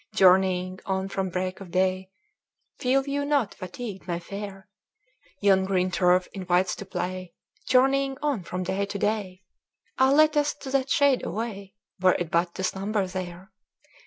"Journeying on from break of day, Feel you not fatigued, my fair? Yon green turf invites to play; Journeying on from day to day, Ah! let us to that shade away, Were it but to slumber there!